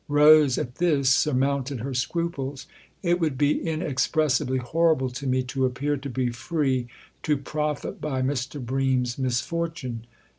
Rose, at this, surmounted her scruples. " It would be inexpressibly horrible to me to appear to be free to profit by Mr. Bream's misfortune."